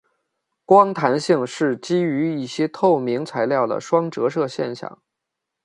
光弹性是基于一些透明材料的双折射现象。